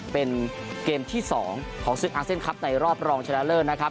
เป็นเกมที่สองของซึ่งอัลเซ็นทรัพย์ในรอบรองชนะเริ่มนะครับ